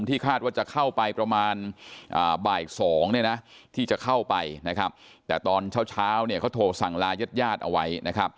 ที่คาดว่าจะเข้าไปประมาณบ่าย๒ที่จะเข้าไปแต่ตอนเช้าเขาโทรสั่งลายัดเอาไว้